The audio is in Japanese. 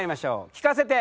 聞かせて！